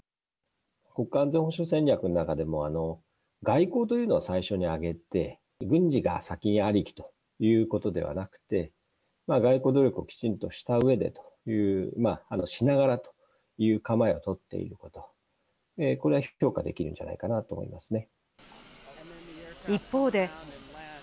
国家安全保障戦略の中でも、外交というのを最初に挙げて、軍事が先にありきということではなくて、外交努力をきちんとしたうえでという構えをとっていること、これは評価できるんじゃないかなと思いますね。